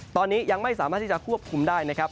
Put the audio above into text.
ตอนนี้ยังไม่สามารถที่จะควบคุมได้นะครับ